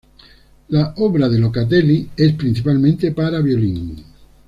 La obra de Locatelli es principalmente para violín.